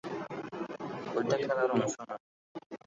এটা খেলার অংশ না!